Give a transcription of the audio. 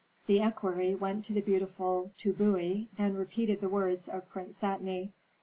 "The equerry went to the beautiful Tbubui and repeated the words of Prince Satni.